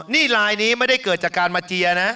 นี่ลายนี้ไม่ได้เกิดจากการมาเจียร์นะ